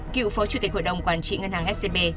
cựu phố chủ tịch hội đồng quản trị ngân hàng scp